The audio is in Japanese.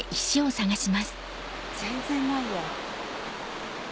全然ないや。